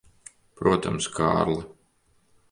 Protams, Kārli.